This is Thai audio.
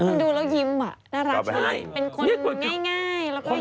คุณดูแล้วยิ้มอะน่ารักเป็นคนง่าย